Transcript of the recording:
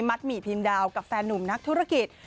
หมี่พิมดาวกับแฟนหนุ่มนักธุรกิจ